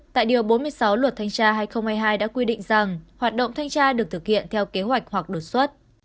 tại điều bốn mươi sáu luật thanh tra hai nghìn hai mươi hai đã quy định rằng hoạt động thanh tra được thực hiện theo kế hoạch hoặc đột xuất